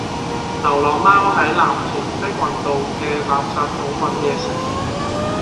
流浪貓喺藍田碧雲道嘅垃圾桶搵野食